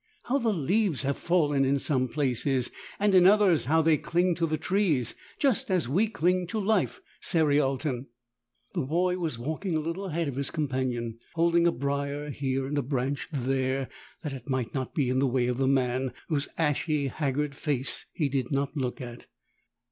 "How the leaves have fallen in some places ! And in others how they cling to the trees — just as we cling to life, Cerialton." The boy was walking a little ahead of his companion, holding a briar here and a branch there that it might not be in the way of the man, whose ashy haggard face he did not look at.